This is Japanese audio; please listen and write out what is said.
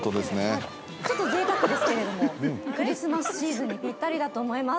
ちょっと贅沢ですけれどもクリスマスシーズンにぴったりだと思います